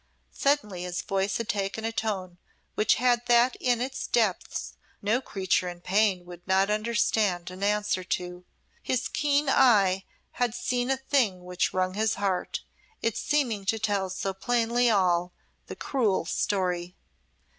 Suddenly his voice had taken a tone which had that in its depths no creature in pain would not understand and answer to. His keen eye had seen a thing which wrung his heart, it seeming to tell so plainly all the cruel story.